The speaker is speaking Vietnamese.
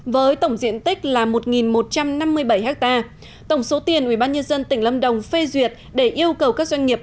với tổng diện tích là một một trăm năm mươi bảy ha tổng số tiền ubnd tỉnh lâm đồng phê duyệt để yêu cầu các doanh nghiệp